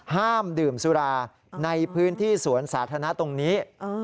ห้ามดื่มสุราในพื้นที่สวนสาธารณะตรงนี้